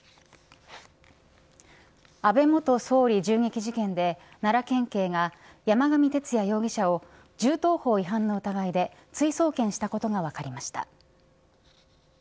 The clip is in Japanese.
安倍元総理銃撃事件で奈良県警が山上徹也容疑者を銃刀法違反の疑いで追送検したことが分かりました。